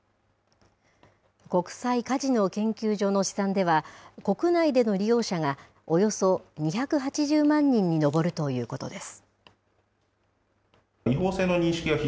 国際カジノ研究所の試算では、国内での利用者がおよそ２８０万人に上るということです。